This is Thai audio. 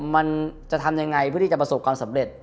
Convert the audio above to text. มันจะทำยังไงเพื่อที่จะประสบความสำเร็จ